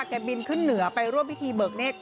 บินขึ้นเหนือไปร่วมพิธีเบิกเนธ